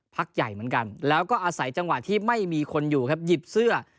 พักใหญ่เหมือนกันแล้วก็อาศัยจังหวะที่ไม่มีคนอยู่ครับหยิบเสื้อ